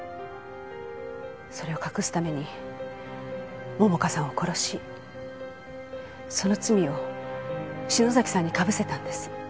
それを隠すために桃花さんを殺しその罪を篠崎さんに被せたんです。